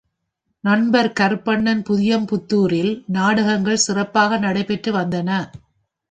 நண்பர் கருப்பண்ணன் புதியம்புத்துரரில் நாடகங்கள் சிறப்பாக நடைபெற்று வந்தன.